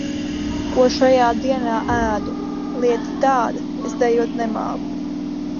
Ko šajā dienā ēdu. Lieta tāda, es dejot nemāku.